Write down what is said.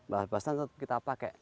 bahas bahasan yang harus kita pakai